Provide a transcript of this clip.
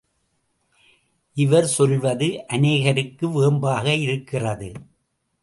இவர் சொல்வது அநேகருக்கு வேம்பாக இருக்கிறது.